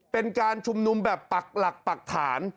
เป็นการชุมนุมแบบปักหลักปักฐาน